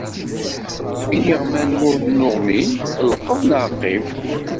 Iniɣman ma ur nnuɣmin, lqeḍ neɣ qim.